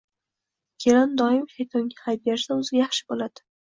Kelin doim shaytonga hay bersa, o‘ziga yaxshi bo‘ladi.